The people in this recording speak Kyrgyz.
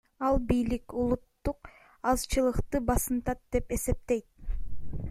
Ал бийлик улуттук азчылыкты басынтат деп эсептейт.